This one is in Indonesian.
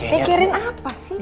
mikirin apa sih